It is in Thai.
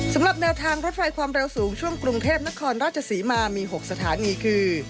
สำหรับแนวทางรถไฟความเร็วสูงช่วงกรุงเทพนครราชศรีมามี๖สถานีคือ